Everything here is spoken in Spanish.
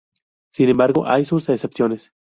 Sin embargo, hay sus excepciones.